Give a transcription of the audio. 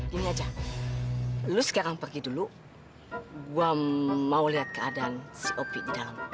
gini aja lu sekarang pergi dulu gue mau liat keadaan si opi di dalam